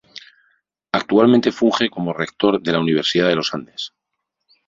Actualmente funge como rector de la Universidad de los Andes.